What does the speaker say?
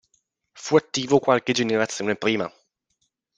Fu attivo qualche generazione prima.